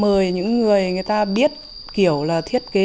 mời những người người ta biết kiểu là thiết kế